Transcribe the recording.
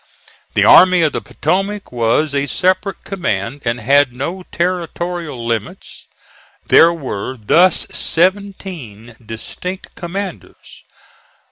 The Army of the Potomac was a separate command and had no territorial limits. There were thus seventeen distinct commanders.